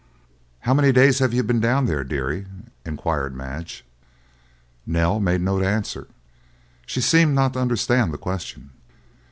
"How many days had you been down there, dearie?" inquired Madge. Nell made no answer; she seemed not to understand the question.